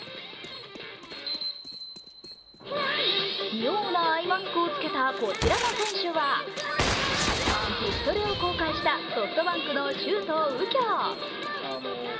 妙なアイマスクをつけたこちらの選手は自主トレを公開したソフトバンクの周東佑京。